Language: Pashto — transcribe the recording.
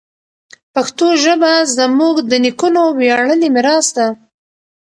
پښتو ژبه زموږ د نیکونو ویاړلی میراث ده.